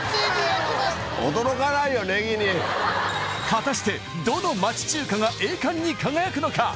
果たして、どの町中華が栄冠に輝くのか？